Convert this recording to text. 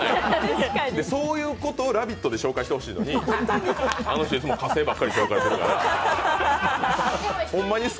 そういうことを「ラヴィット！」で紹介してほしいのにあの人いつも火星ばっかりだから。